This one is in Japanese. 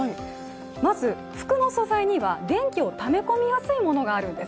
まず服の素材には電気をため込みやすいものがあるんです。